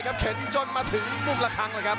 ลอกล่างร่วมไว้